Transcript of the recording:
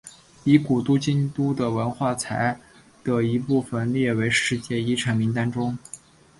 以古都京都的文化财的一部份列入世界遗产名单中。